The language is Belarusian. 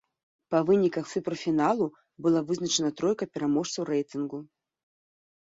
Па выніках суперфіналу была вызначана тройка пераможцаў рэйтынгу.